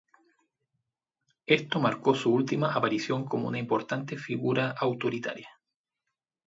Esto marcó su última aparición como una importante figura autoritaria.